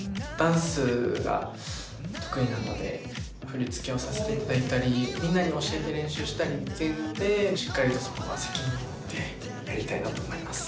振り付けをさせていただいたりみんなに教えて練習したりっていうのでしっかりとそこは責任を持ってやりたいなと思います。